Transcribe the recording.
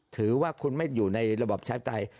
ถือว่าคุณไม่อยู่ในระบอบชาปไตย